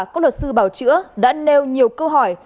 các luật sư bảo chữa đã nêu nhiều câu hỏi